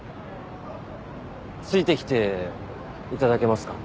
ついてきていただけますか？